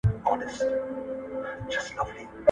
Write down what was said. د ځوانۍ يوه نشه ده، هسي نه چي همېشه ده.